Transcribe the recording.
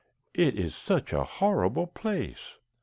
"It is such a horrible place."